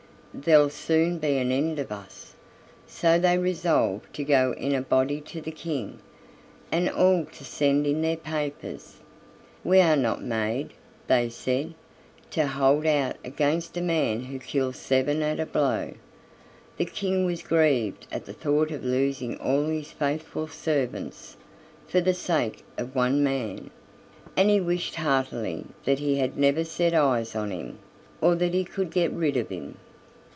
There'll soon be an end of us." So they resolved to go in a body to the King, and all to send in their papers. "We are not made," they said, "to hold out against a man who kills seven at a blow." The King was grieved at the thought of losing all his faithful servants for the sake of one man, and he wished heartily that he had never set eyes on him, or that he could get rid of him.